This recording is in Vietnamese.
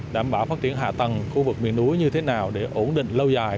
đảm bảo phát triển hạ tầng khu vực miền núi như thế nào để ổn định lâu dài